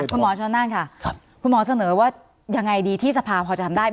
คุณหมอชนนั่นค่ะคุณหมอเสนอว่ายังไงดีที่สภาพอจะทำได้ไหม